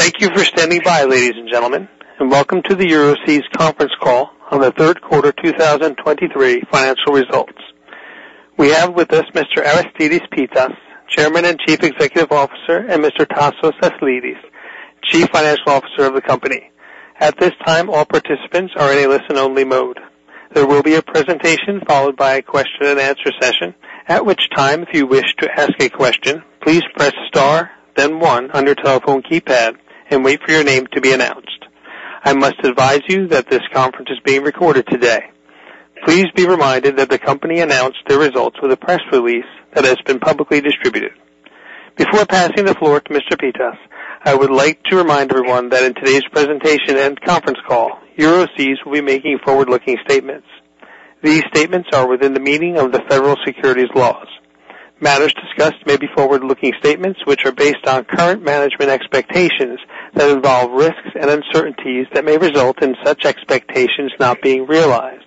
Thank you for standing by, ladies and gentlemen, and welcome to the Euroseas conference call on the third quarter 2023 financial results. We have with us Mr. Aristides Pittas, Chairman and Chief Executive Officer, and Mr. Tasos Aslidis, Chief Financial Officer of the company. At this time, all participants are in a listen-only mode. There will be a presentation followed by a question and answer session, at which time, if you wish to ask a question, please press star, then one on your telephone keypad and wait for your name to be announced. I must advise you that this conference is being recorded today. Please be reminded that the company announced their results with a press release that has been publicly distributed. Before passing the floor to Mr. Pittas, I would like to remind everyone that in today's presentation and conference call, Euroseas will be making forward-looking statements. These statements are within the meaning of the federal securities laws. Matters discussed may be forward-looking statements which are based on current management expectations that involve risks and uncertainties that may result in such expectations not being realized.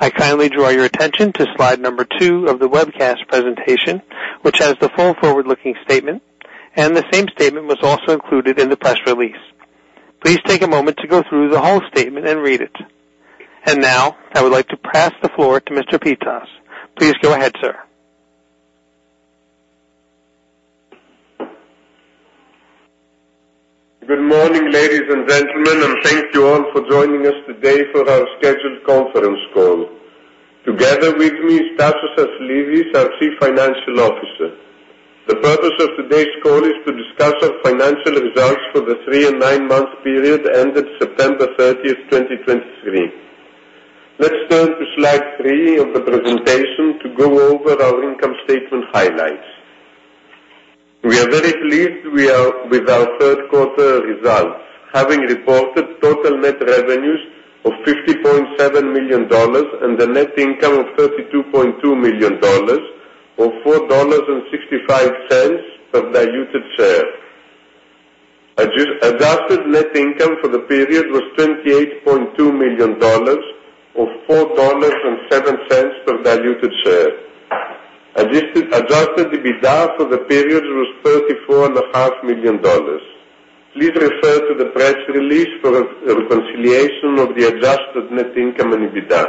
I kindly draw your attention to slide number two of the webcast presentation, which has the full forward-looking statement, and the same statement was also included in the press release. Please take a moment to go through the whole statement and read it. And now, I would like to pass the floor to Mr. Pittas. Please go ahead, sir. Good morning, ladies and gentlemen, and thank you all for joining us today for our scheduled conference call. Together with me is Tasos Aslidis, our Chief Financial Officer. The purpose of today's call is to discuss our financial results for the three- and nine-month period ended September 30th, 2023. Let's turn to slide three of the presentation to go over our income statement highlights. We are very pleased we are with our third quarter results, having reported total net revenues of $50.7 million and a net income of $32.2 million, or $4.65 per diluted share. Adjusted net income for the period was $28.2 million, or $4.07 per diluted share. Adjusted EBITDA for the period was $34.5 million. Please refer to the press release for a reconciliation of the adjusted net income and EBITDA.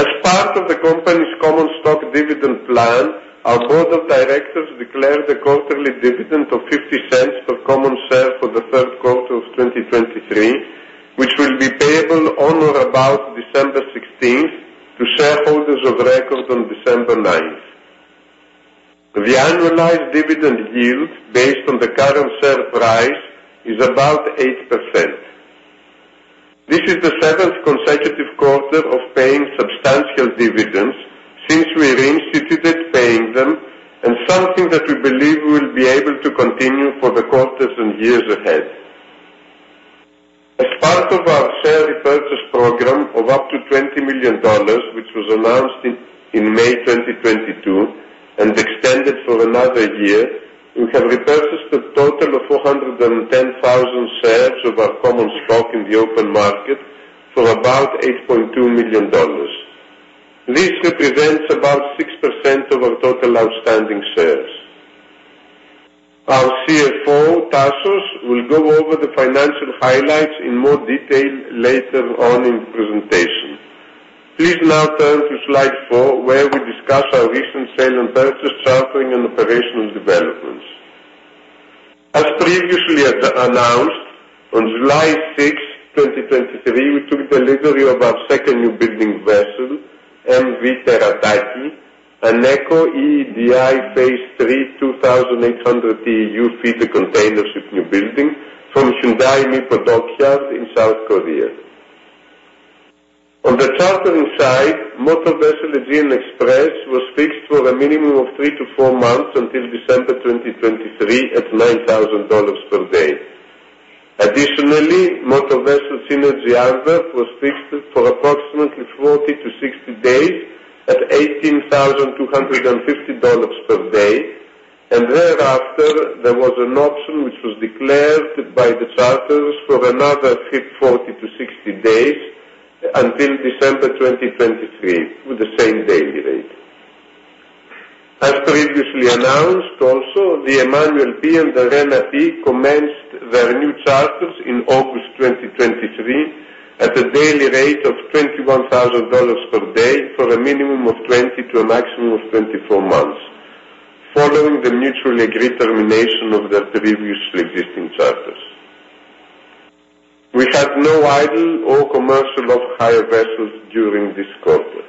As part of the company's common stock dividend plan, our board of directors declared a quarterly dividend of $0.50 per common share for the third quarter of 2023, which will be payable on or about December 16 to shareholders of record on December 9. The annualized dividend yield, based on the current share price, is about 8%. This is the 7th consecutive quarter of paying substantial dividends since we reinstituted paying them, and something that we believe we will be able to continue for the quarters and years ahead. As part of our share repurchase program of up to $20 million, which was announced in May 2022 and extended for another year, we have repurchased a total of 410,000 shares of our common stock in the open market for about $8.2 million. This represents about 6% of our total outstanding shares. Our CFO, Tasos, will go over the financial highlights in more detail later on in the presentation. Please now turn to slide four, where we discuss our recent sale and purchase, chartering and operational developments. As previously announced, on July 6, 2023, we took delivery of our second newbuildings vessel, M/V Terataki, an Eco EEDI phase III, 2,800 TEU feeder container ship newbuildings from HD Hyundai Mipo in South Korea. On the chartering side, M/V Aegean Express was fixed for a minimum of three to four months until December 2023, at $9,000 per day. Additionally, M/V Synergy Antwerp was fixed for approximately 40-60 days at $18,250 per day, and thereafter there was an option which was declared by the charterers for another 40-60 days until December 2023, with the same daily rate. As previously announced also, the M/V Emmanuel P and the M/V Rena P commenced their new charters in August 2023, at a daily rate of $21,000 per day for a minimum of 20 to a maximum of 24 months, following the mutually agreed termination of their previously existing charters. We had no idle or commercial off-hire vessels during this quarter.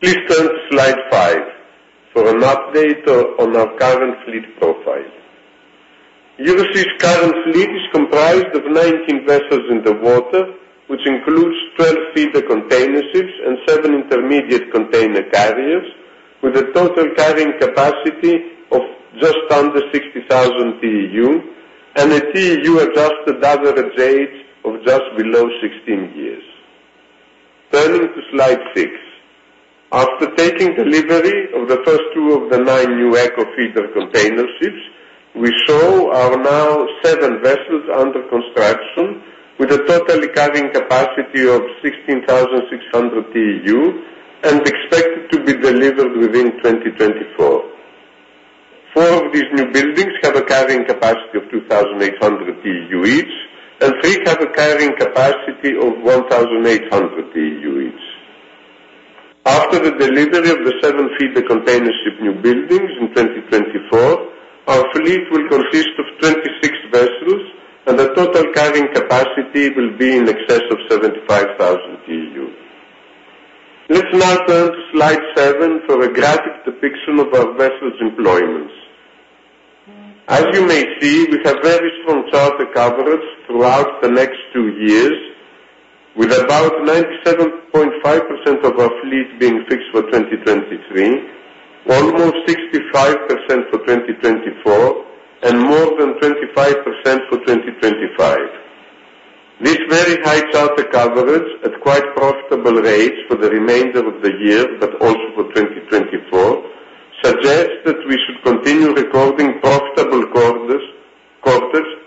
Please turn to slide five for an update on our current fleet profile. Euroseas current fleet is comprised of 19 vessels in the water, which includes 12 feeder container ships and seven intermediate container carriers, with a total carrying capacity of just under 60,000 TEU and a TEU-adjusted average age of just below 16 years. Turning to slide six. After taking delivery of the first two of the nine new Eco feeder container ships, we are now seven vessels under construction, with a total carrying capacity of 16,600 TEU and expected to be delivered within 2024. Four of these newbuildings have a carrying capacity of 2,800 TEU each, and three have a carrying capacity of 1,800 TEU each. After the delivery of the seven feeder containership newbuildings in 2024, our fleet will consist of 26 vessels, and the total carrying capacity will be in excess of 75,000 TEU. Let's now turn to slide seven for a graphic depiction of our vessels' employments. As you may see, we have very strong charter coverage throughout the next two years, with about 97.5% of our fleet being fixed for 2023, almost 65% for 2024, and more than 25% for 2025. This very high charter coverage at quite profitable rates for the remainder of the year, but also for 2024, suggests that we should continue recording profitable quarters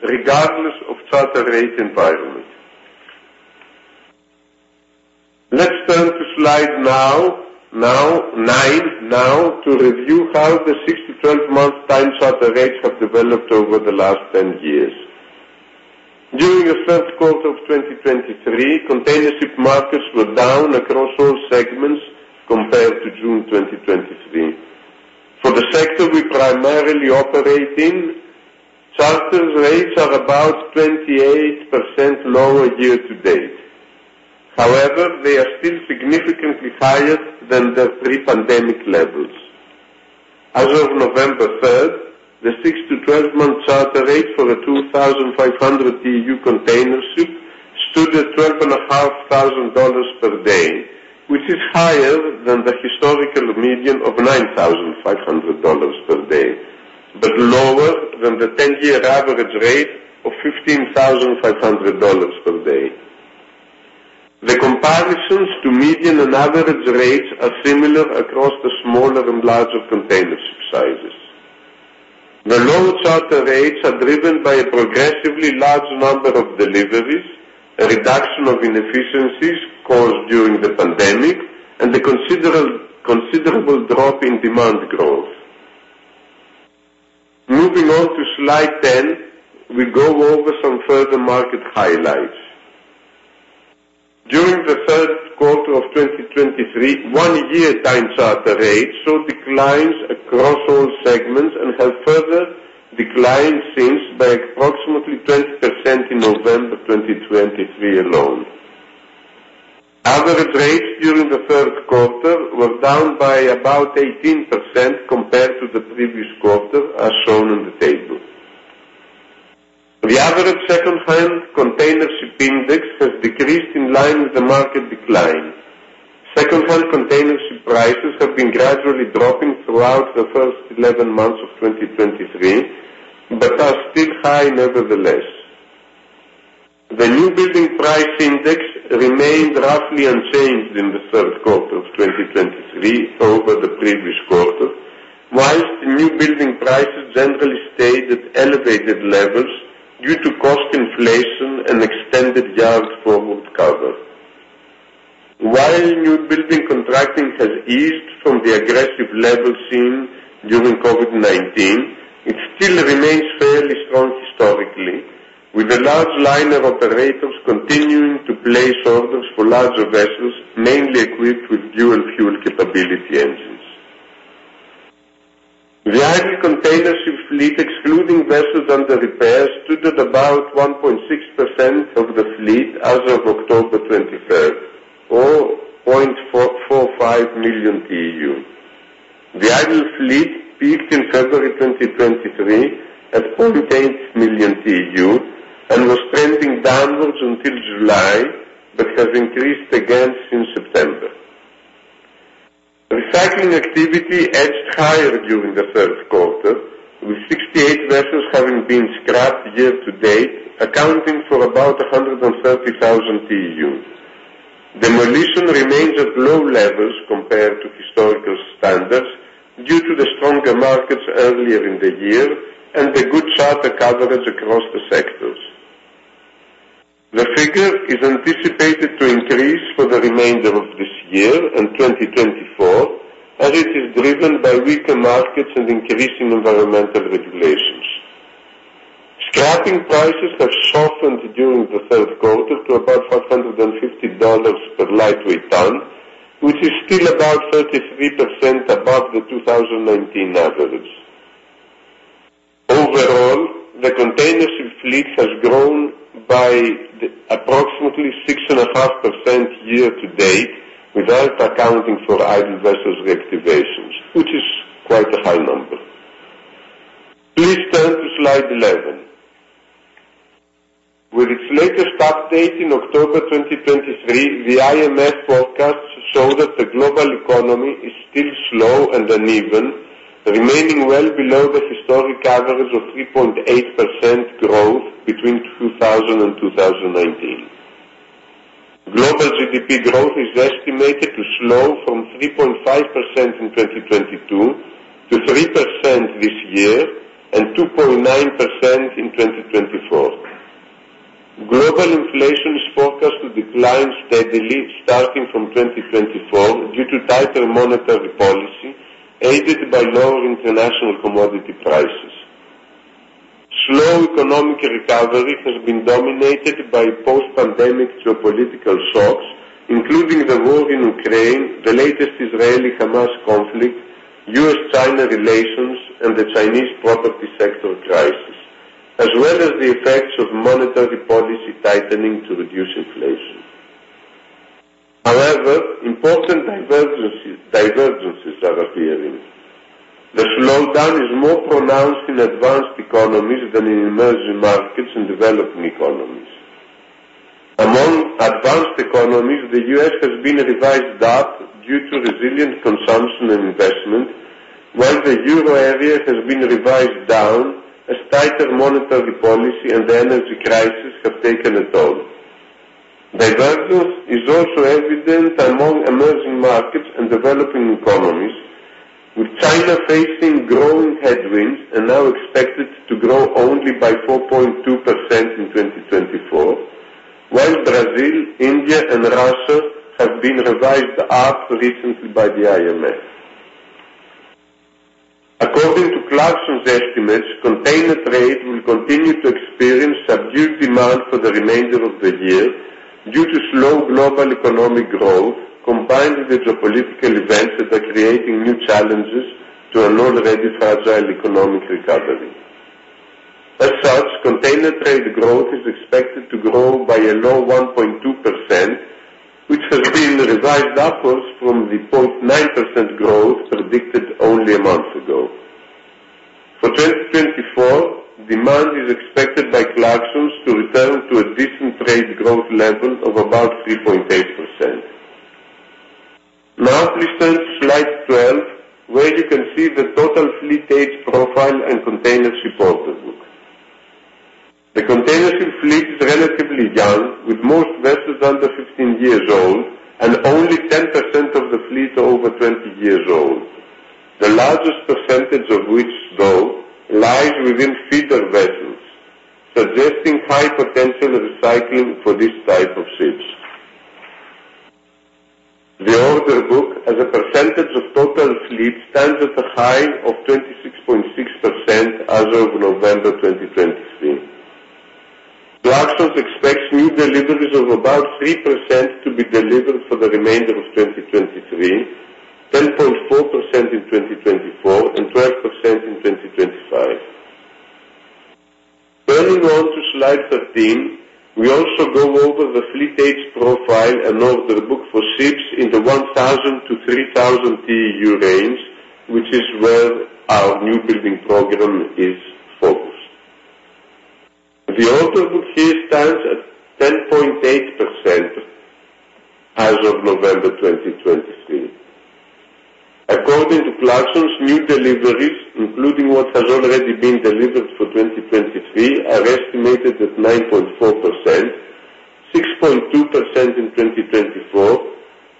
regardless of charter rate environment. Let's turn to slide nine to review how the six to 12-month time charter rates have developed over the last 10 years. During the third quarter of 2023, containership markets were down across all segments compared to June 2023. For the sector we primarily operate in, charter rates are about 28% lower year to date. However, they are still significantly higher than the pre-pandemic levels. As of November 3rd, the six to 12-month charter rate for the 2,500 TEU containership stood at $12,500 per day, which is higher than the historical median of $9,500 per day, but lower than the 10-year average rate of $15,500 per day. The comparisons to median and average rates are similar across the smaller and larger containership sizes. The low charter rates are driven by a progressively large number of deliveries, a reduction of inefficiencies caused during the pandemic, and a considerable, considerable drop in demand growth. Moving on to slide 10, we go over some further market highlights. During the third quarter of 2023, one year time charter rates saw declines across all segments and have further declined since by approximately 20% in November 2023 alone. Average rates during the third quarter were down by about 18% compared to the previous quarter, as shown on the table. The average secondhand containership index has decreased in line with the market decline. Secondhand containership prices have been gradually dropping throughout the first 11 months of 2023, but are still high nevertheless. The newbuildings price index remained roughly unchanged in the third quarter of 2023 over the previous quarter, while newbuildings prices generally stayed at elevated levels due to cost inflation and extended yard forward cover. While newbuildings contracting has eased from the aggressive levels seen during COVID-19, it still remains fairly strong historically, with a large line of operators continuing to place orders for larger vessels, mainly equipped with dual fuel capability engines. The idle containership fleet, excluding vessels under repair, stood at about 1.6% of the fleet as of October 21st, or 0.445 million TEU. The idle fleet peaked in February 2023 at 0.8 million TEU and was trending downwards until July, but has increased again since September. Recycling activity edged higher during the third quarter, with 68 vessels having been scrapped year to date, accounting for about 130,000 TEU. Demolition remains at low levels compared to historical standards, due to the stronger markets earlier in the year and the good charter coverage across the sectors. The figure is anticipated to increase for the remainder of this year and 2024, as it is driven by weaker markets and increasing environmental regulations. Scrapping prices have softened during the third quarter to about $550 per lightweight ton, which is still about 33% above the 2019 average. Overall, the containership fleet has grown by the approximately 6.5% year to date, without accounting for idle vessels reactivations, which is quite a high number. Please turn to slide 11. With its latest update in October 2023, the IMF forecasts show that the global economy is still slow and uneven, remaining well below the historic average of 3.8% growth between 2000 and 2019.... Global GDP growth is estimated to slow from 3.5% in 2022 to 3% this year and 2.9% in 2024. Global inflation is forecast to decline steadily starting from 2024 due to tighter monetary policy, aided by lower international commodity prices. Slow economic recovery has been dominated by post-pandemic geopolitical shocks, including the war in Ukraine, the latest Israeli-Hamas conflict, U.S.-China relations and the Chinese property sector crisis, as well as the effects of monetary policy tightening to reduce inflation. However, important divergences are appearing. The slowdown is more pronounced in advanced economies than in emerging markets and developing economies. Among advanced economies, the U.S. has been revised up due to resilient consumption and investment, while the Euro area has been revised down as tighter monetary policy and the energy crisis have taken a toll. Divergence is also evident among emerging markets and developing economies, with China facing growing headwinds and now expected to grow only by 4.2% in 2024, while Brazil, India and Russia have been revised up recently by the IMF. According to Clarksons estimates, container trade will continue to experience subdued demand for the remainder of the year due to slow global economic growth, combined with geopolitical events that are creating new challenges to an already fragile economic recovery. As such, container trade growth is expected to grow by a low 1.2%, which has been revised upwards from the 0.9% growth predicted only a month ago. For 2024, demand is expected by Clarksons to return to a decent trade growth level of about 3.8%. Now please turn to slide 12, where you can see the total fleet age profile and container ship order book. The container ship fleet is relatively young, with most vessels under 15 years old and only 10% of the fleet are over 20 years old. The largest percentage of which, though, lies within feeder vessels, suggesting high potential recycling for this type of ships. The order book as a percentage of total fleet stands at a high of 26.6% as of November 2023. Clarksons expects new deliveries of about 3% to be delivered for the remainder of 2023, 10.4% in 2024 and 12% in 2025. Turning on to slide 13, we also go over the fleet age profile and order book for ships in the 1,000-3,000 TEU range, which is where our newbuildings program is focused. The order book here stands at 10.8% as of November 2023. According to Clarksons, new deliveries, including what has already been delivered for 2023, are estimated at 9.4%, 6.2% in 2024,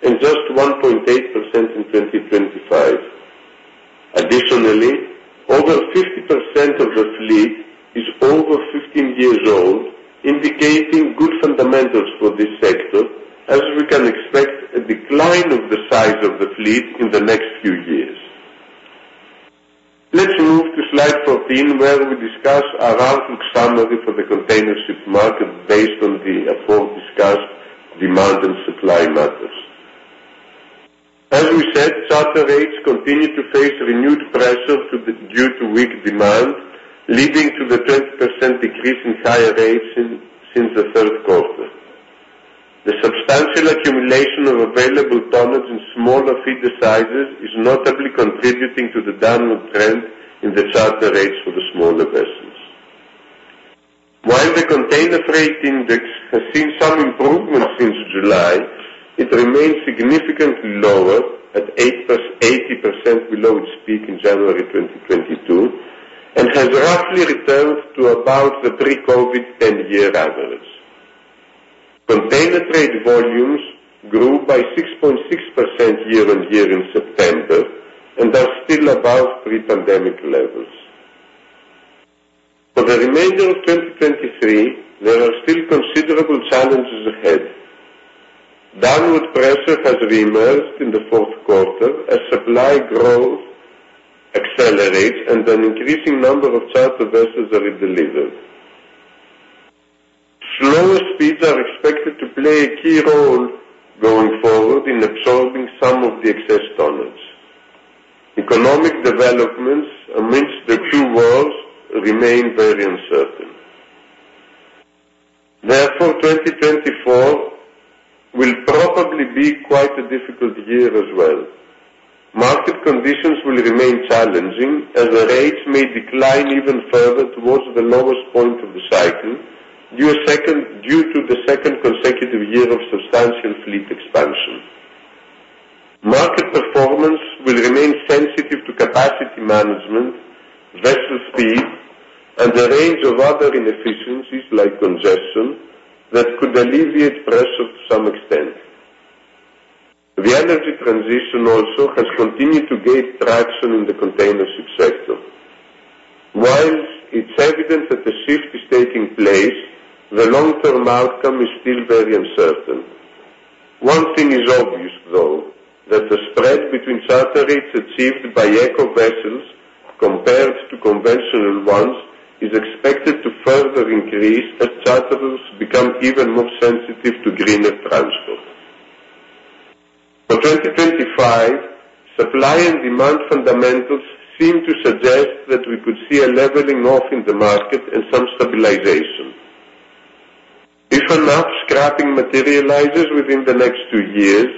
and just 1.8% in 2025. Additionally, over 50% of the fleet is over 15 years old, indicating good fundamentals for this sector as we can expect a decline of the size of the fleet in the next few years. Let's move to slide 14, where we discuss our outlook summary for the container ship market based on the above discussed demand and supply matters. As we said, charter rates continue to face renewed pressure due to weak demand, leading to the 20% decrease in higher rates since the third quarter. The substantial accumulation of available tonnage in smaller feeder sizes is notably contributing to the downward trend in the charter rates for the smaller vessels. While the container freight index has seen some improvement since July, it remains significantly lower at 80% below its peak in January 2022, and has roughly returned to about the pre-COVID ten-year average. Container trade volumes grew by 6.6% year-on-year in September and are still above pre-pandemic levels. For the remainder of 2023, there are still considerable challenges ahead. Downward pressure has reemerged in the fourth quarter as supply growth accelerates and an increasing number of charter vessels are delivered. Slower speeds are expected to play a key role going forward in absorbing some of the excess tonnage. Economic developments amidst the two wars remain very uncertain. Therefore, 2024 will probably be quite a difficult year as well. Market conditions will remain challenging as the rates may decline even further towards the lowest point of the cycle due to the second consecutive year of substantial fleet expansion. Market performance will remain sensitive to capacity management, vessel speed, and a range of other inefficiencies like congestion, that could alleviate pressure to some extent. The energy transition also has continued to gain traction in the container ship sector. Whilst it's evident that the shift is taking place, the long-term outcome is still very uncertain. One thing is obvious, though, that the spread between charter rates achieved by eco vessels compared to conventional ones is expected to further increase as charterers become even more sensitive to greener transport. For 2025, supply and demand fundamentals seem to suggest that we could see a leveling off in the market and some stabilization. If enough scrapping materializes within the next two years,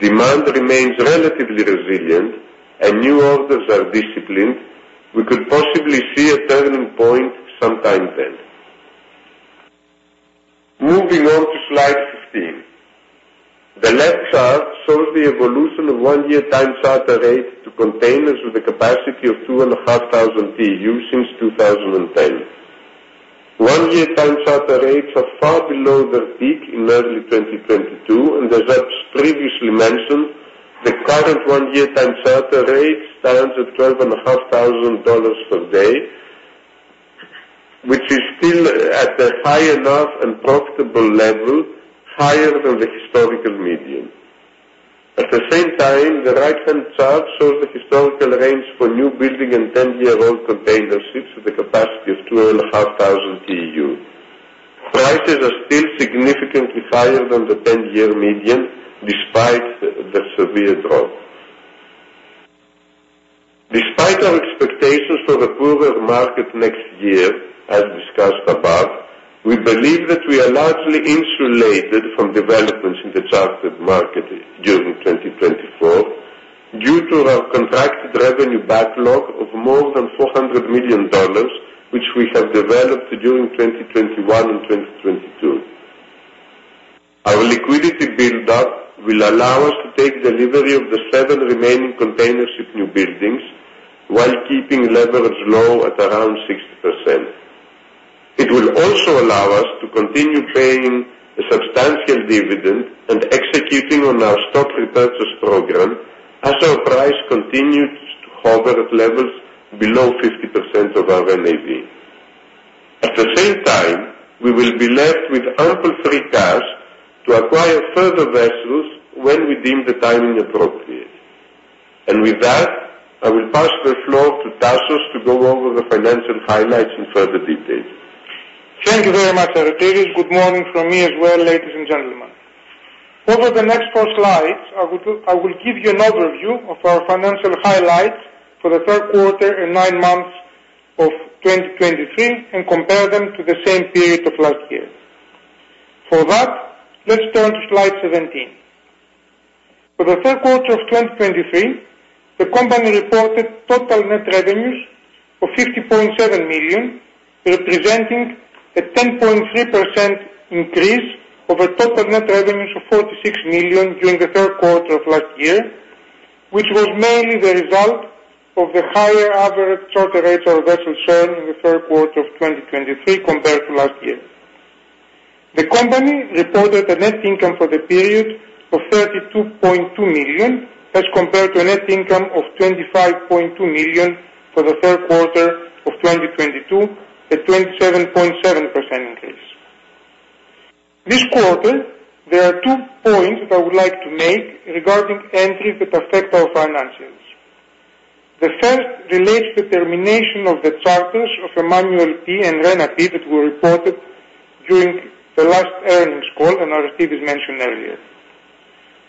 demand remains relatively resilient and new orders are disciplined, we could possibly see a turning point sometime then. Moving on to slide 15. The left chart shows the evolution of one-year time charter rate to containers with a capacity of 2,500 TEU since 2010. One-year time charter rates are far below their peak in early 2022, and as I've previously mentioned, the current one-year time charter rate stands at $12,500 per day, which is still at a high enough and profitable level, higher than the historical median. At the same time, the right-hand chart shows the historical range for newbuildings and 10-year-old container ships with a capacity of 2,500 TEU. Prices are still significantly higher than the 10-year median, despite the severe drop. Despite our expectations for the poorer market next year, as discussed above, we believe that we are largely insulated from developments in the chartered market during 2024, due to our contracted revenue backlog of more than $400 million, which we have developed during 2021 and 2022. Our liquidity build-up will allow us to take delivery of the 7 remaining container ship newbuildings, while keeping leverage low at around 60%. It will also allow us to continue paying a substantial dividend and executing on our stock repurchase program as our price continues to hover at levels below 50% of our NAV. At the same time, we will be left with ample free cash to acquire further vessels when we deem the timing appropriate. With that, I will pass the floor to Tasos to go over the financial highlights in further detail. Thank you very much, Aris. Good morning from me as well, ladies and gentlemen. Over the next four slides, I will give you an overview of our financial highlights for the third quarter and nine months of 2023 and compare them to the same period of last year. For that, let's turn to slide 17. For the third quarter of 2023, the company reported total net revenues of $50.7 million, representing a 10.3% increase over total net revenues of $46 million during the third quarter of last year, which was mainly the result of the higher average charter rates of vessel share in the third quarter of 2023 compared to last year. The company reported a net income for the period of $32.2 million, as compared to a net income of $25.2 million for the third quarter of 2022, a 27.7% increase. This quarter, there are two points that I would like to make regarding entries that affect our financials. The first relates to termination of the charters of Emmanuel P and Rena P that were reported during the last earnings call, and Aris mentioned earlier.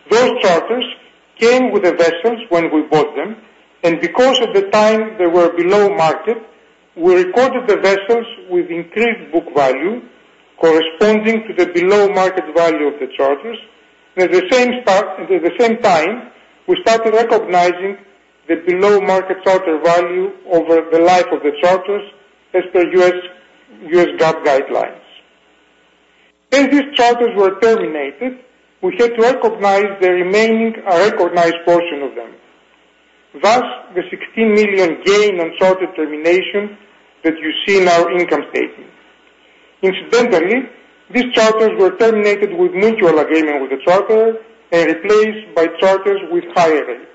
Those charters came with the vessels when we bought them, and because at the time they were below market, we recorded the vessels with increased book value corresponding to the below market value of the charters. At the same time, we started recognizing the below market charter value over the life of the charters as per US GAAP guidelines. As these charters were terminated, we had to recognize the remaining unrecognized portion of them. Thus, the $16 million gain on charter termination that you see in our income statement. Incidentally, these charters were terminated with mutual agreement with the charterer and replaced by charters with higher rates.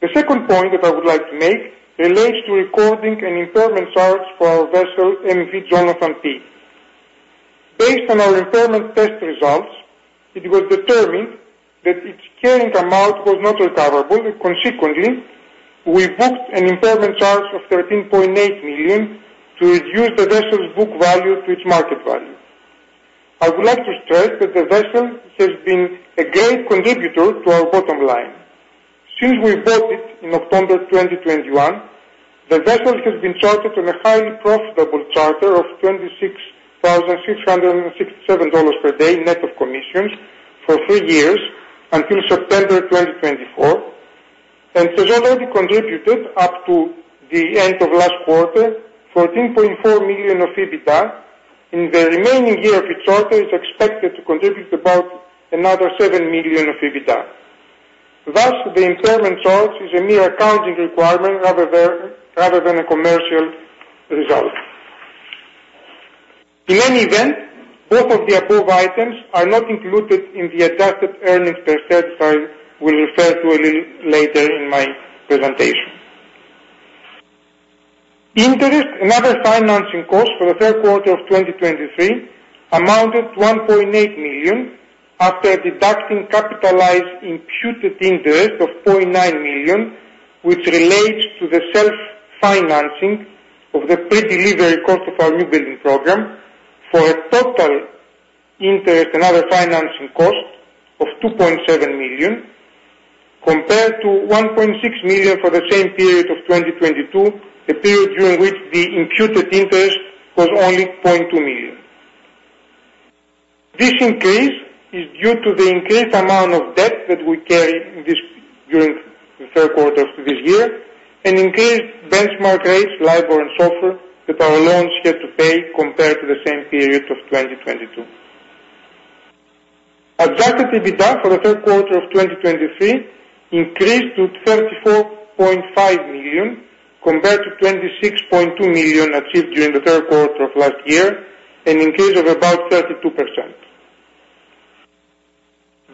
The second point that I would like to make relates to recording an impairment charge for our vessel, MV Jonathan P. Based on our impairment test results, it was determined that its carrying amount was not recoverable, and consequently, we booked an impairment charge of $13.8 million to reduce the vessel's book value to its market value. I would like to stress that the vessel has been a great contributor to our bottom line. Since we bought it in October 2021, the vessel has been chartered on a highly profitable charter of $26,667 per day, net of commissions, for three years until September 2024... and has already contributed up to the end of last quarter, $14.4 million of EBITDA. In the remaining year of its charter, is expected to contribute about another $7 million of EBITDA. Thus, the impairment charge is a mere accounting requirement, rather than, rather than a commercial result. In any event, both of the above items are not included in the adjusted earnings per share that I will refer to a little later in my presentation. Interest and other financing costs for the third quarter of 2023 amounted to $1.8 million, after deducting capitalized imputed interest of $0.9 million, which relates to the self-financing of the pre-delivery cost of our newbuildings program for a total interest and other financing costs of $2.7 million, compared to $1.6 million for the same period of 2022, a period during which the imputed interest was only $0.2 million. This increase is due to the increased amount of debt that we carry in this, during the third quarter of this year, and increased benchmark rates, LIBOR and SOFR, that our loans had to pay compared to the same period of 2022. Adjusted EBITDA for the third quarter of 2023 increased to $34.5 million, compared to $26.2 million achieved during the third quarter of last year, an increase of about 32%.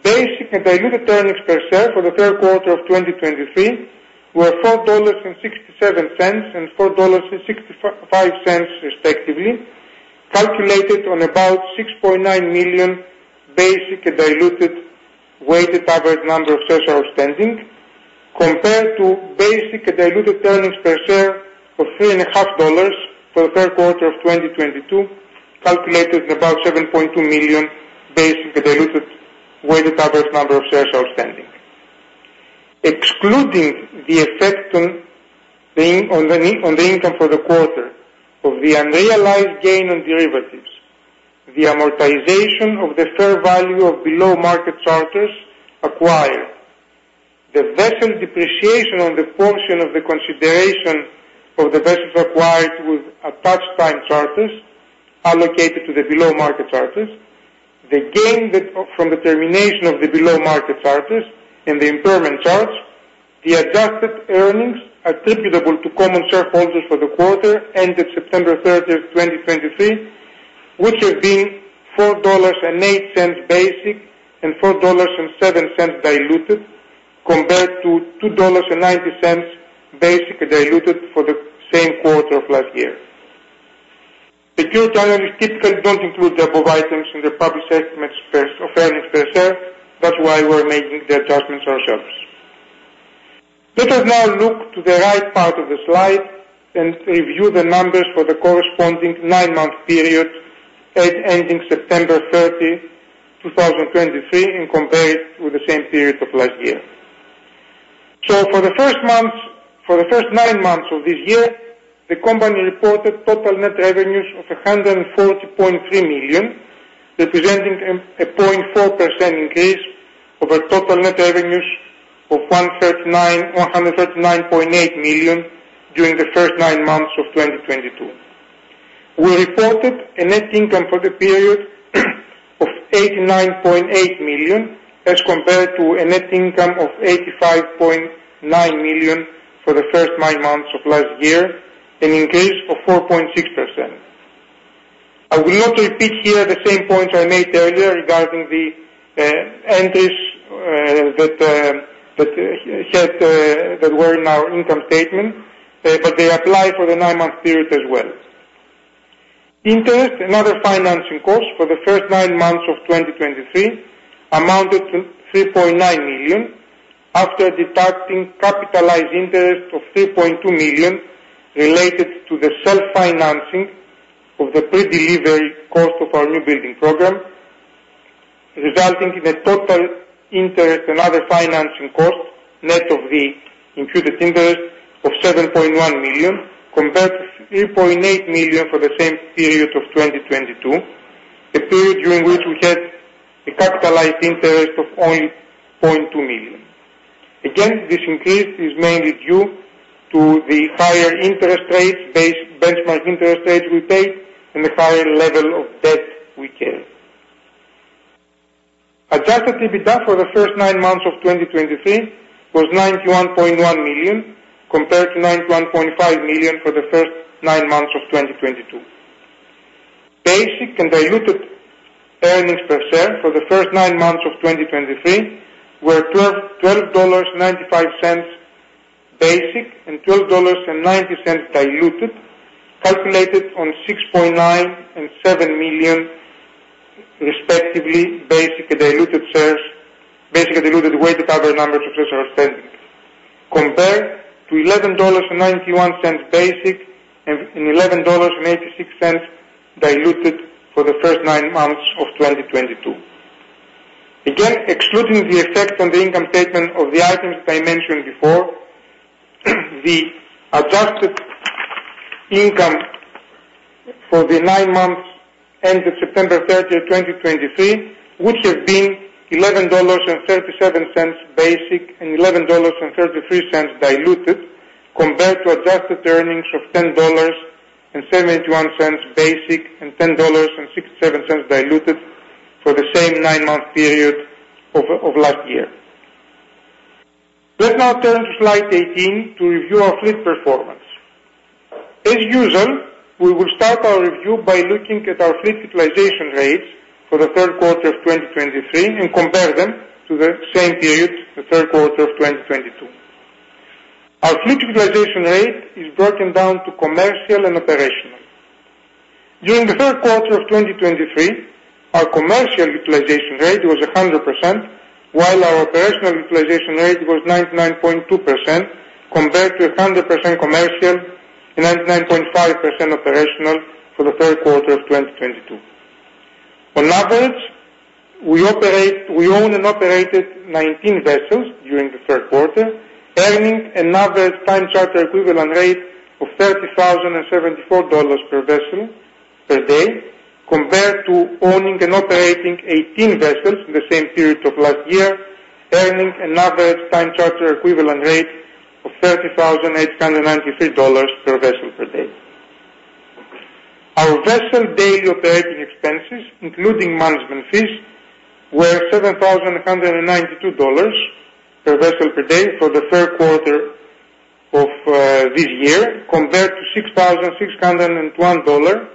Basic and diluted earnings per share for the third quarter of 2023 were $4.67 and $4.65, respectively, calculated on about 6.9 million basic and diluted weighted average number of shares outstanding, compared to basic and diluted earnings per share of $3.50 for the third quarter of 2022, calculated at about 7.2 million basic and diluted weighted average number of shares outstanding. Excluding the effect on the income for the quarter of the unrealized gain on derivatives, the amortization of the fair value of below market charters acquired, the vessel depreciation on the portion of the consideration of the vessels acquired with attached time charters allocated to the below market charters, the gain from the termination of the below market charters and the impairment charge, the adjusted earnings attributable to common shareholders for the quarter ended September 30, 2023, which have been $4.08 basic, and $4.07 diluted, compared to $2.90 basic and diluted for the same quarter of last year. The securities analysts typically don't include the above items in the published estimates of earnings per share. That's why we're making the adjustments ourselves. Let us now look to the right part of the slide and review the numbers for the corresponding nine-month period ending September 30, 2023, and compare it with the same period of last year. So for the first months, for the first nine months of this year, the company reported total net revenues of $140.3 million, representing a, a 0.4% increase over total net revenues of $139.8 million during the first nine months of 2022. We reported a net income for the period of $89.8 million, as compared to a net income of $85.9 million for the first nine months of last year, an increase of 4.6%. I will not repeat here the same points I made earlier regarding the entries that were in our income statement, but they apply for the nine-month period as well. Interest and other financing costs for the first nine months of 2023 amounted to $3.9 million, after deducting capitalized interest of $3.2 million related to the self-financing of the pre-delivery cost of our newbuildings program, resulting in a total interest and other financing costs, net of the imputed interest of $7.1 million, compared to $3.8 million for the same period of 2022, a period during which we had a capitalized interest of only $0.2 million. Again, this increase is mainly due to the higher interest rates, benchmark interest rates we pay and the higher level of debt we carry. Adjusted EBITDA for the first nine months of 2023 was $91.1 million, compared to $91.5 million for the first nine months of 2022. Basic and diluted earnings per share for the first nine months of 2023 were $12.95 basic, and $12.90 diluted, calculated on 6.9 million and 7 million, respectively, basic and diluted shares. Basic and diluted weighted average number of shares outstanding, compared to $11.91 basic and $11.86 diluted for the first nine months of 2022. Again, excluding the effect on the income statement of the items I mentioned before, the adjusted income for the nine months ended September 30, 2023, which have been $11.37 basic and $11.33 diluted, compared to adjusted earnings of $10.71 basic and $10.67 diluted for the same nine-month period of last year. Let's now turn to slide 18 to review our fleet performance. As usual, we will start our review by looking at our fleet utilization rates for the third quarter of 2023 and compare them to the same period, the third quarter of 2022. Our fleet utilization rate is broken down to commercial and operational. During the third quarter of 2023, our commercial utilization rate was 100%, while our operational utilization rate was 99.2%, compared to 100% commercial and 99.5% operational for the third quarter of 2022. On average, we owned and operated 19 vessels during the third quarter, earning another time charter equivalent rate of $30,074 per vessel per day, compared to owning and operating 18 vessels in the same period of last year, earning another time charter equivalent rate of $30,893 per vessel per day. Our vessel daily operating expenses, including management fees, were $7,192 per vessel per day for the third quarter of this year, compared to $6,601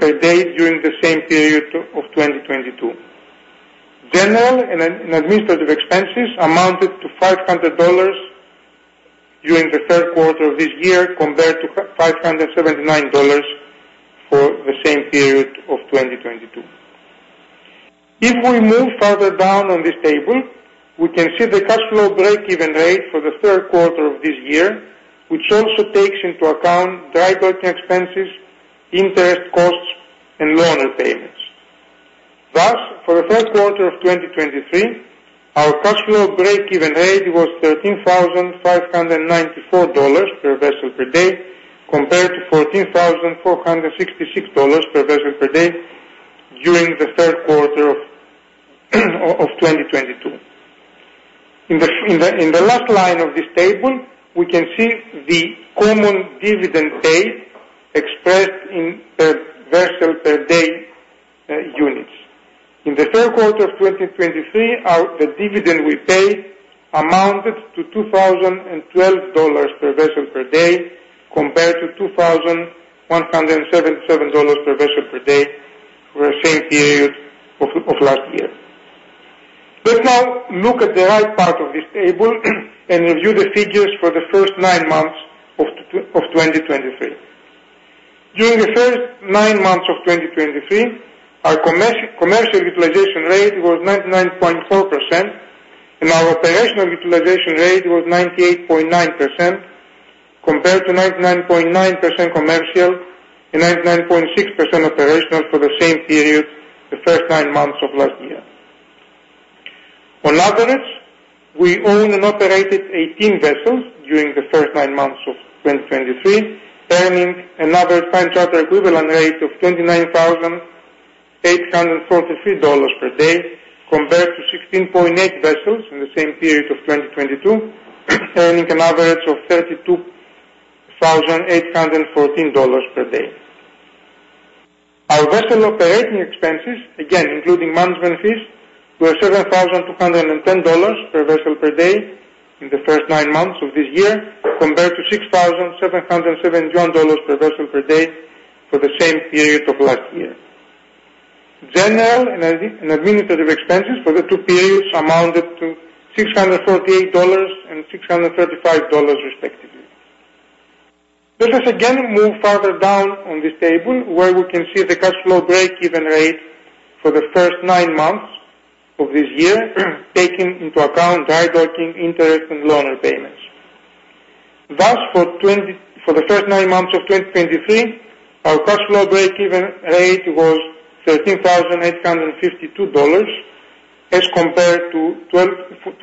per day during the same period of 2022. General and administrative expenses amounted to $500 during the third quarter of this year, compared to $579 for the same period of 2022. If we move further down on this table, we can see the cash flow breakeven rate for the third quarter of this year, which also takes into account dry docking expenses, interest costs and loan repayments. Thus, for the first quarter of 2023, our cash flow breakeven rate was $13,594 per vessel per day, compared to $14,466 per vessel per day during the third quarter of 2022. In the last line of this table, we can see the common dividend paid, expressed in per vessel per day units. In the third quarter of 2023, our, the dividend we paid amounted to $2,012 per vessel per day, compared to $2,177 per vessel per day for the same period of last year. Let's now look at the right part of this table and review the figures for the first nine months of 2023. During the first 9 months of 2023, our commercial utilization rate was 99.4% and our operational utilization rate was 98.9%, compared to 99.9% commercial and 99.6% operational for the same period, the first 9 months of last year. On average, we owned and operated 18 vessels during the first 9 months of 2023, earning an average time charter equivalent rate of $29,843 per day, compared to 16.8 vessels in the same period of 2022, earning an average of $32,814 per day. Our vessel operating expenses, again, including management fees, were $7,210 per vessel per day in the first nine months of this year, compared to $6,771 per vessel per day for the same period of last year. General and administrative expenses for the two periods amounted to $638 and $635, respectively. Let us again move further down on this table, where we can see the cash flow breakeven rate for the first nine months of this year, taking into account dry docking, interest and loan repayments. Thus, for the first nine months of 2023, our cash flow breakeven rate was $13,852, as compared to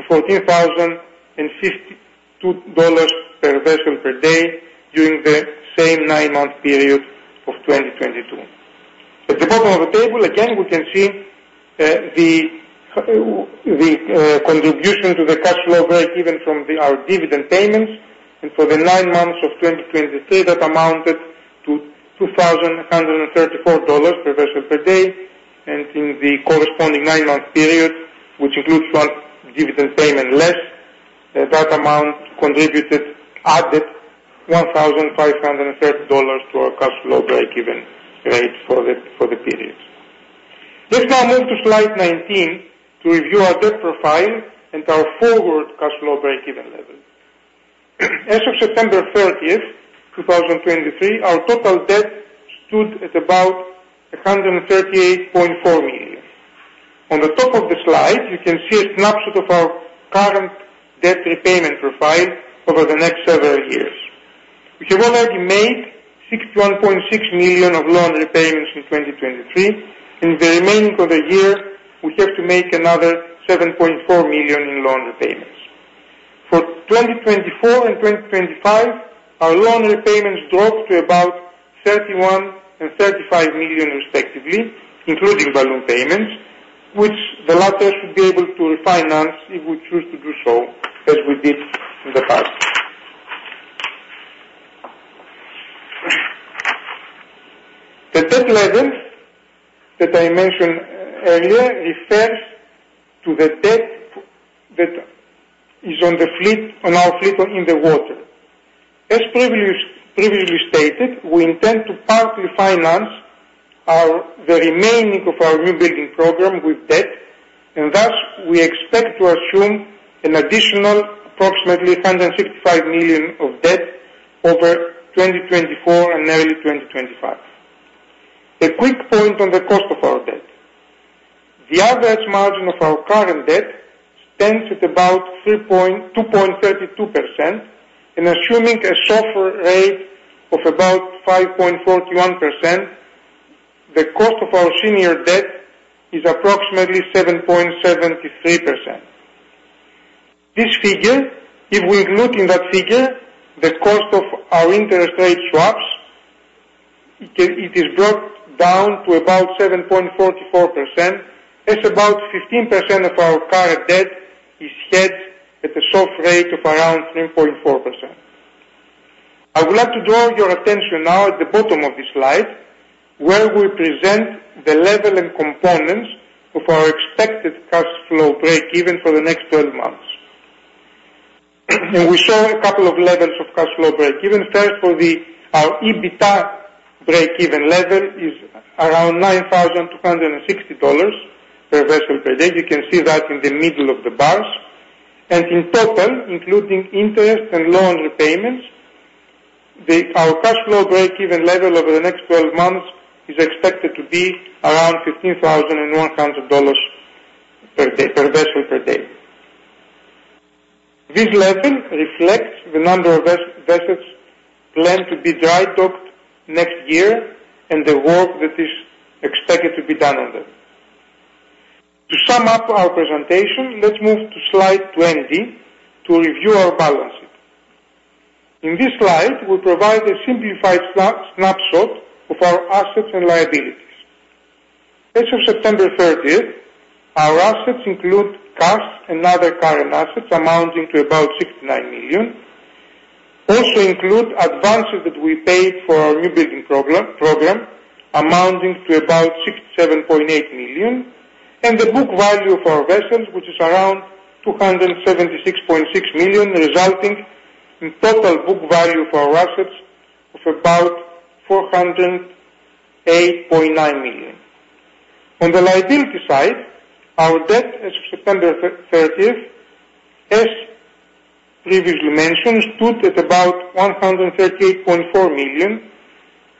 fourteen thousand and fifty-two dollars per vessel per day during the same nine-month period of 2022. At the bottom of the table, again, we can see the contribution to the cash flow breakeven from our dividend payments, and for the nine months of 2023, that amounted to $2,134 per vessel per day. And in the corresponding nine-month period, which includes one dividend payment less, that amount contributed added $1,530 to our cash flow breakeven rate for the period. Let's now move to slide 19 to review our debt profile and our forward cash flow breakeven level. As of September 30th, 2023, our total debt stood at about $138.4 million. On the top of the slide, you can see a snapshot of our current debt repayment profile over the next several years. We have already made $61.6 million of loan repayments in 2023, and in the remaining of the year, we have to make another $7.4 million in loan repayments. For 2024 and 2025, our loan repayments drop to about $31 million and $35 million respectively, including balloon payments, which the latter should be able to refinance if we choose to do so, as we did in the past. The debt level that I mentioned earlier refers to the debt that is on the fleet, on our fleet in the water. As previously stated, we intend to partly finance our, the remaining of our newbuilding program with debt, and thus we expect to assume an additional approximately $165 million of debt over 2024 and early 2025. A quick point on the cost of our debt. The average margin of our current debt stands at about 3.232%. Assuming a SOFR rate of about 5.41%, the cost of our senior debt is approximately 7.73%. This figure, if we include in that figure, the cost of our interest rate swaps, it is brought down to about 7.44%, as about 15% of our current debt is hedged at the SOFR rate of around 3.4%. I would like to draw your attention now at the bottom of this slide, where we present the level and components of our expected cash flow break even for the next twelve months. We show a couple of levels of cash flow break even. First, for our EBITDA break even level is around $9,260 per vessel per day. You can see that in the middle of the bars. In total, including interest and loan repayments, our cash flow break even level over the next twelve months is expected to be around $15,100 per day, per vessel per day. This level reflects the number of vessels planned to be dry docked next year and the work that is expected to be done on them. To sum up our presentation, let's move to slide 20 to review our balance sheet. In this slide, we provide a simplified snapshot of our assets and liabilities. As of September 30, our assets include cash and other current assets amounting to about $69 million. Also include advances that we paid for our newbuildings program amounting to about $67.8 million and the book value of our vessels, which is around $276.6 million, resulting in total book value for our assets of about $408.9 million. On the liability side, our debt as of September 30, as previously mentioned, stood at about $138.4 million,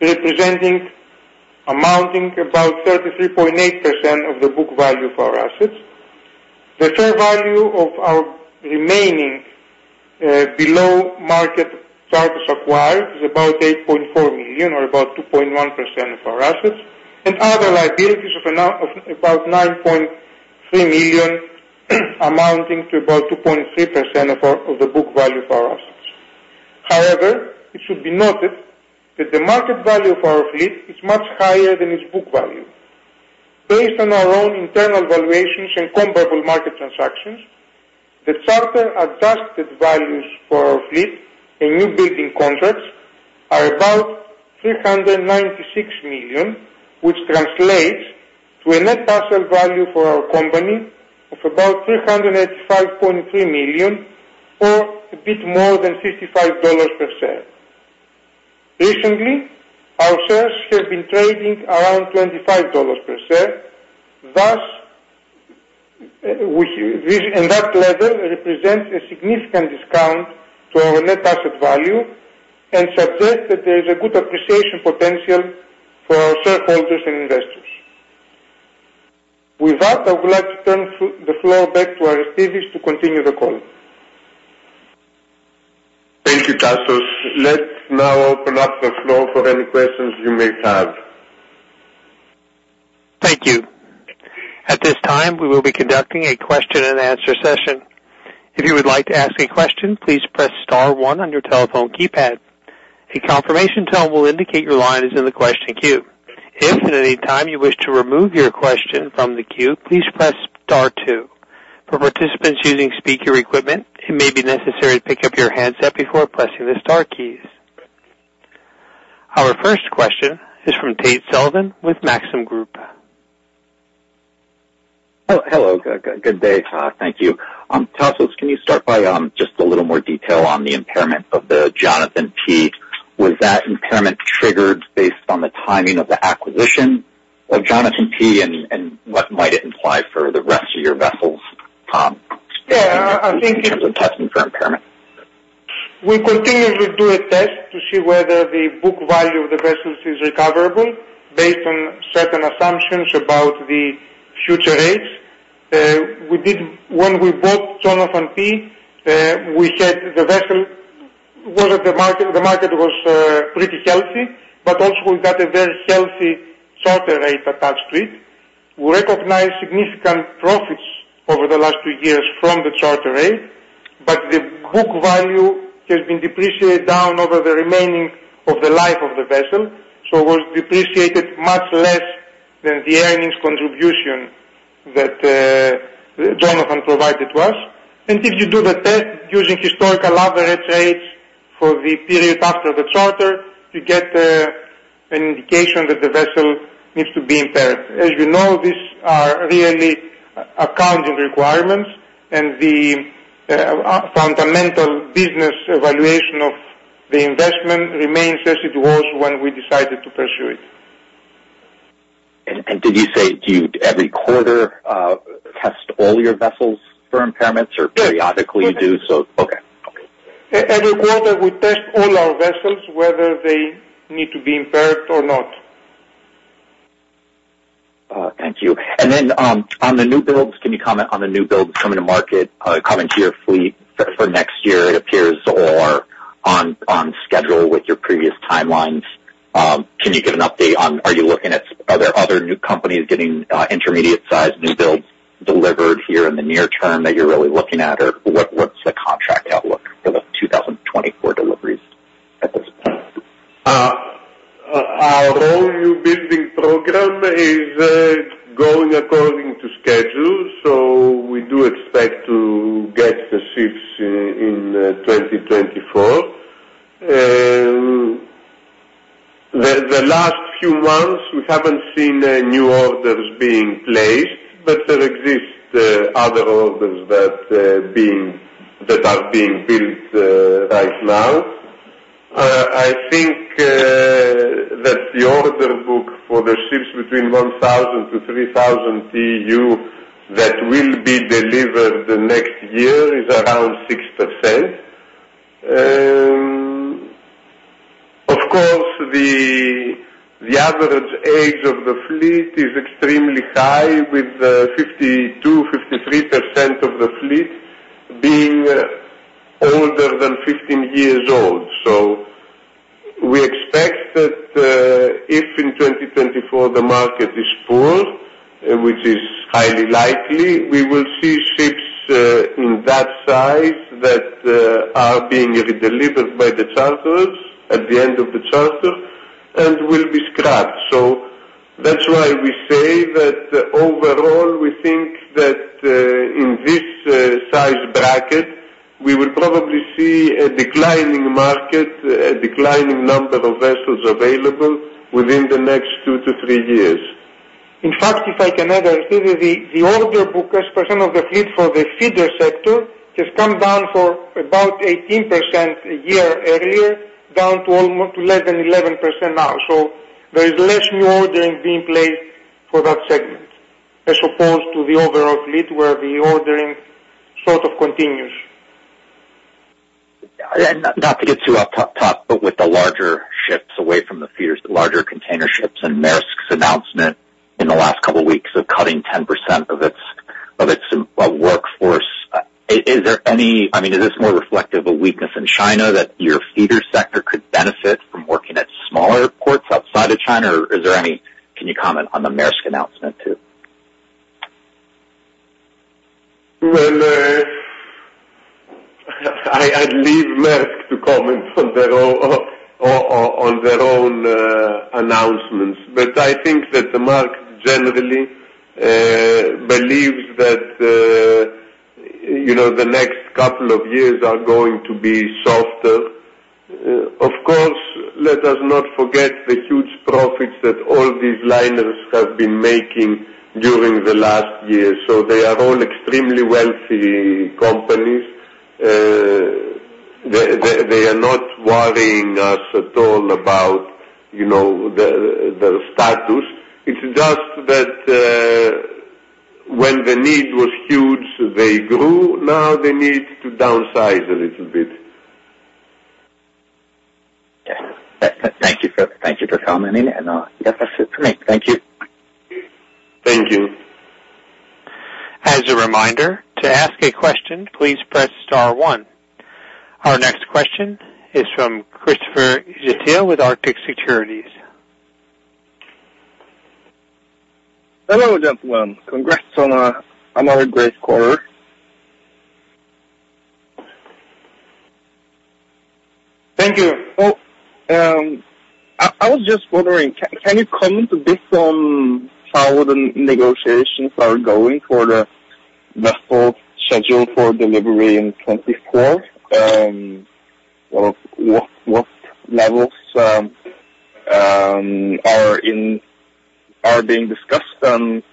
representing amounting about 33.8% of the book value of our assets. The fair value of our remaining below market charter acquired is about $8.4 million, or about 2.1% of our assets, and other liabilities of about $9.3 million, amounting to about 2.3% of the book value of our assets. However, it should be noted that the market value of our fleet is much higher than its book value. Based on our own internal valuations and comparable market transactions, the charter adjusted values for our fleet and newbuildings contracts are about $396 million, which translates to a net asset value for our company of about $385.3 million, or a bit more than $55 per share. Recently, our shares have been trading around $25 per share. Thus, that level represents a significant discount to our net asset value and suggests that there is a good appreciation potential for our shareholders and investors. With that, I would like to turn the floor back to Aristides to continue the call. Thank you, Tasos. Let's now open up the floor for any questions you may have. Thank you. At this time, we will be conducting a question and answer session. If you would like to ask a question, please press star one on your telephone keypad. A confirmation tone will indicate your line is in the question queue. If at any time you wish to remove your question from the queue, please press star two. For participants using speaker equipment, it may be necessary to pick up your handset before pressing the star keys. Our first question is from Tate Sullivan with Maxim Group. Hello, good day, thank you. Tasos, can you start by just a little more detail on the impairment of the Jonathan P? Was that impairment triggered based on the timing of the acquisition of Jonathan P, and what might it imply for the rest of your vessels? Yeah, I think- In terms of testing for impairment? We continuously do a test to see whether the book value of the vessels is recoverable based on certain assumptions about the future rates. We did when we bought Jonathan P, we said the vessel was at the market, the market was, pretty healthy, but also we got a very healthy charter rate attached to it. We recognized significant profits over the last two years from the charter rate, but the book value has been depreciated down over the remaining of the life of the vessel, so was depreciated much less than the earnings contribution that, Jonathan provided to us. And if you do the test using historical average rates for the period after the charter, you get, an indication that the vessel needs to be impaired. As you know, these are really accounting requirements and the, fundamental business evaluation of the investment remains as it was when we decided to pursue it. Did you say, do you every quarter test all your vessels for impairments or? Yes. Periodically you do so? Okay. Okay. Every quarter we test all our vessels, whether they need to be impaired or not. Thank you. And then, on the new builds, can you comment on the new builds coming to market, coming to your fleet for next year, it appears, or on schedule with your previous timelines? Can you give an update on—are there other new companies getting intermediate-sized new builds delivered here in the near term that you're really looking at? Or what's the contract outlook for the 2024 deliveries at this point? Our whole newbuildings program is going according to schedule, so we do expect to get the ships in 2024. The last few months, we haven't seen new orders being placed, but there exist other orders that are being built right now. I think that the order book for the ships between 1,000-3,000 TEU that will be delivered the next year is around 6%. Of course, the average age of the fleet is extremely high, with 52-53% of the fleet being older than 15 years old. So we expect that, if in 2024 the market is full, which is highly likely, we will see ships in that size that are being redelivered by the charters at the end of the charter and will be scrapped. So that's why we say that overall, we think that in this size bracket, we will probably see a declining market, a declining number of vessels available within the next 2-3 years. In fact, if I can add here, the order book as percent of the fleet for the feeder sector has come down for about 18% a year earlier, down to almost to less than 11% now. So there is less new ordering being placed for that segment, as opposed to the overall fleet, where the ordering sort of continues. Not to get too off top, but with the larger ships away from the feeders, the larger container ships and Maersk's announcement in the last couple of weeks of cutting 10% of its workforce. Is there any... I mean, is this more reflective of weakness in China that your feeder sector could benefit from working at smaller ports outside of China, or is there any - can you comment on the Maersk announcement too? Well, I'd leave Maersk to comment on their own announcements. But I think that the market generally believes that, you know, the next couple of years are going to be softer. Of course, let us not forget the huge profits that all these liners have been making during the last year, so they are all extremely wealthy companies. They are not worrying us at all about, you know, their status. It's just that, when the need was huge, they grew. Now they need to downsize a little bit. Yes. Thank you for, thank you for commenting, and, that's it for me. Thank you. Thank you. As a reminder, to ask a question, please press star one. Our next question is from Christopher Wetherbee with Arctic Securities. Hello, gentlemen. Congrats on another great quarter. Thank you. Oh, I was just wondering, can you comment a bit on how the negotiations are going for the vessel scheduled for delivery in 2024? Or what levels are being discussed, and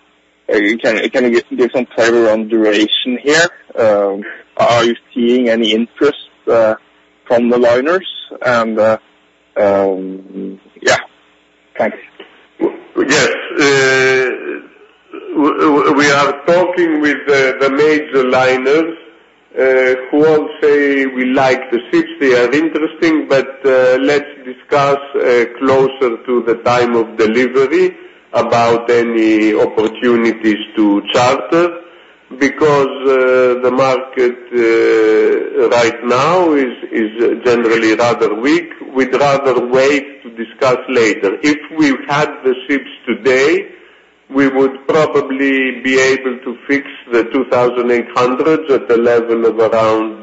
can you give some clarity on duration here? Are you seeing any interest from the liners? Yeah. Thanks. Yes. We are talking with the major liners who all say, "We like the ships. They are interesting, but let's discuss closer to the time of delivery about any opportunities to charter."... because the market right now is generally rather weak. We'd rather wait to discuss later. If we've had the ships today, we would probably be able to fix the 2,800 at a level of around,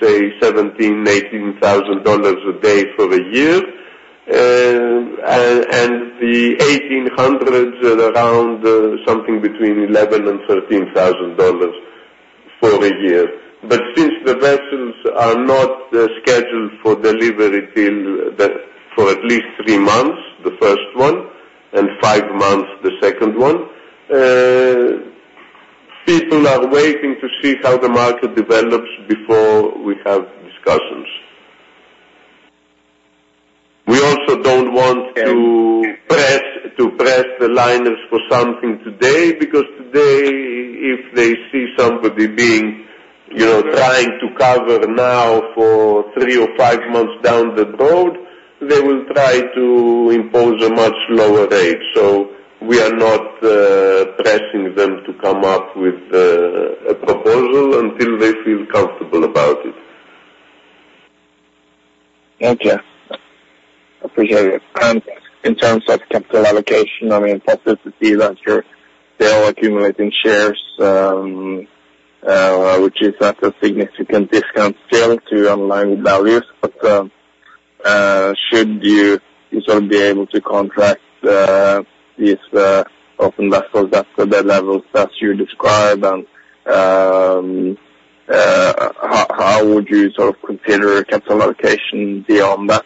say, $17,000-$18,000 a day for a year. And the 1,800s at around something between $11,000 and $13,000 for a year. But since the vessels are not scheduled for delivery till the, for at least 3 months, the first one, and 5 months, the second one, people are waiting to see how the market develops before we have discussions. We also don't want to press, to press the liners for something today, because today, if they see somebody being, you know, trying to cover now for three or five months down the road, they will try to impose a much lower rate. So we are not pressing them to come up with a proposal until they feel comfortable about it. Thank you. Appreciate it. And in terms of capital allocation, I mean, positive to see that you're still accumulating shares, which is at a significant discount still to online values. But, should you sort of be able to contract these open vessels at the levels that you described? And, how would you sort of consider capital allocation beyond that?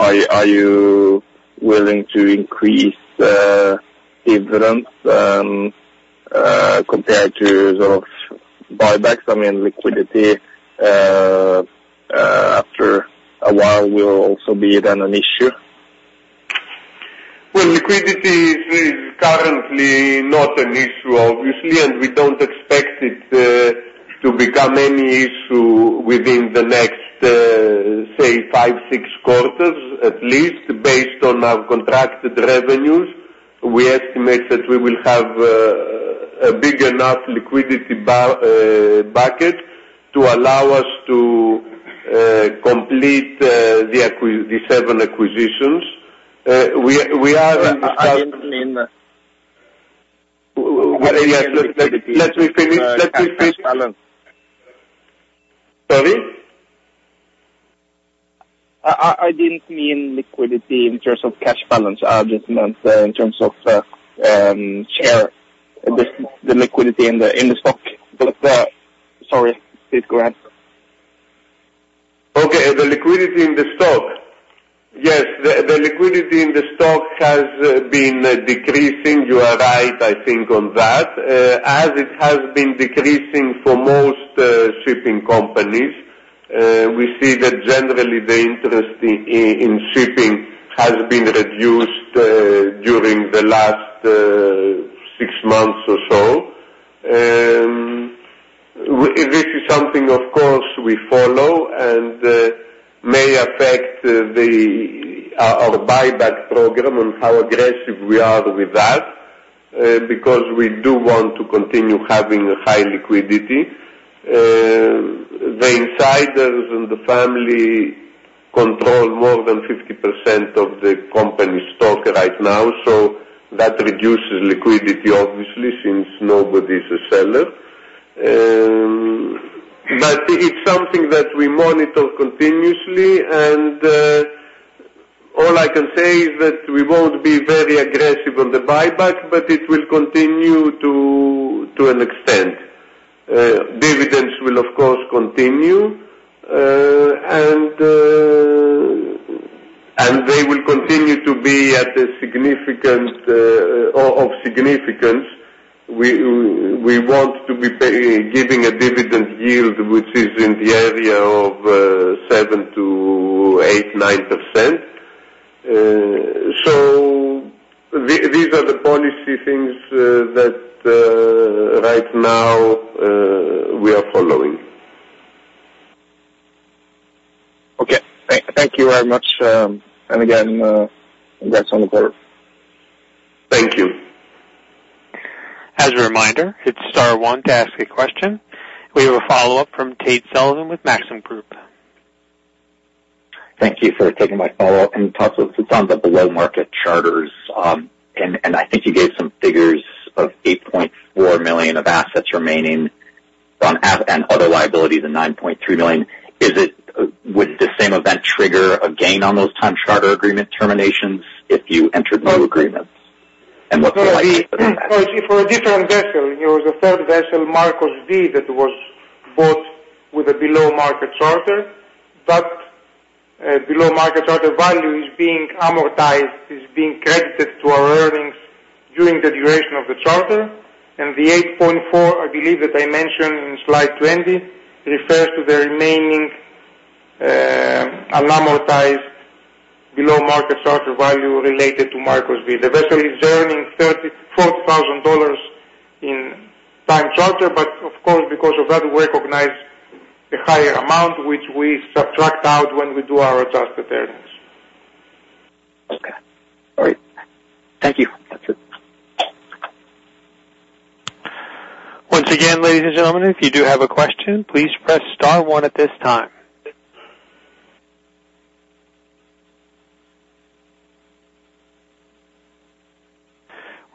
Are you willing to increase dividends compared to sort of buybacks? I mean, liquidity, after a while will also be then an issue. Well, liquidity is currently not an issue, obviously, and we don't expect it to become any issue within the next, say, 5-6 quarters, at least based on our contracted revenues. We estimate that we will have a big enough liquidity bucket to allow us to complete the 7 acquisitions. We are- I didn't mean the- Let me finish. Let me finish. Balance. Sorry? I didn't mean liquidity in terms of cash balance. I just meant in terms of the share liquidity in the stock. But sorry. Please go ahead. Okay. The liquidity in the stock. Yes, the liquidity in the stock has been decreasing. You are right, I think, on that, as it has been decreasing for most shipping companies. We see that generally the interest in shipping has been reduced during the last six months or so. This is something of course we follow and may affect our buyback program and how aggressive we are with that, because we do want to continue having high liquidity. The insiders and the family control more than 50% of the company's stock right now, so that reduces liquidity obviously, since nobody is a seller. But it's something that we monitor continuously, and all I can say is that we won't be very aggressive on the buyback, but it will continue to an extent. Dividends will, of course, continue, and they will continue to be at a significant of significance. We want to be paying a dividend yield, which is in the area of 7%-9%. So these are the policy things that right now we are following. Okay. Thank you very much. And again, congrats on the quarter. Thank you. As a reminder, hit star one to ask a question. We have a follow-up from Tate Sullivan with Maxim Group. Thank you for taking my follow-up. Can you talk us on the below market charters? I think you gave some figures of $8.4 million of assets remaining on assets and other liabilities and $9.3 million. Would the same event trigger a gain on those time charter agreement terminations if you entered new agreements? What's the likelihood of that? For a different vessel, there was a third vessel, Marcos V, that was bought with a below market charter. That, below market charter value is being amortized, is being credited to our earnings during the duration of the charter. The 8.4, I believe that I mentioned in slide 20, refers to the remaining, unamortized below market charter value related to Marcos V. The vessel is earning $34,000 in time charter, but of course, because of that, we recognize a higher amount, which we subtract out when we do our adjusted earnings. Okay. All right. Thank you. That's it. Once again, ladies and gentlemen, if you do have a question, please press star one at this time.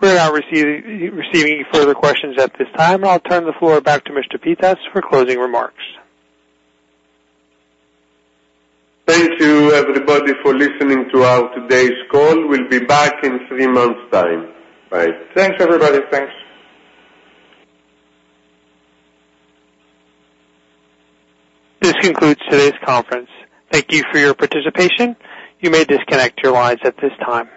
We're not receiving further questions at this time. I'll turn the floor back to Mr. Pittas for closing remarks. Thank you, everybody, for listening to our today's call. We'll be back in three months' time. Bye. Thanks, everybody. Thanks. This concludes today's conference. Thank you for your participation. You may disconnect your lines at this time.